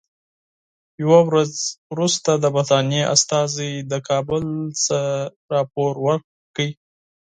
یوه ورځ وروسته د برټانیې استازي له کابل څخه راپور ورکړ.